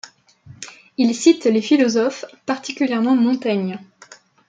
Il cite les philosophes, particulièrement Montaigne.